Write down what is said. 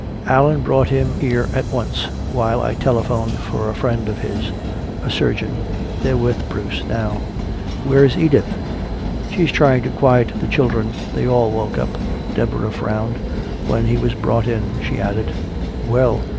Allan brought him here at once, while I telephoned for a friend of his a surgeon. They're with Bruce now." "Where's Edith?" "She's trying to quiet the children. They all woke up " Deborah frowned "when he was brought in," she added. "Well!"